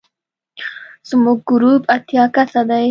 زموږ ګروپ اتیا کسه دی.